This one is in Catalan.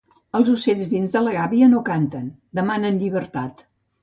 Els ocells dins de la gàbia no canten, demanen llibertat.